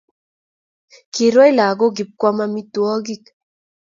Kirwai lakok ip koam amitwogik